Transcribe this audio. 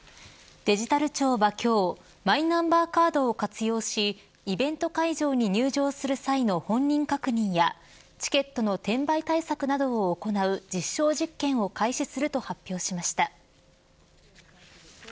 デジタル庁は、今日マイナンバーカードを活用しイベント会場に入場する際の本人確認やチケットの転売対策などを行う実証実験を開始すると発表しました。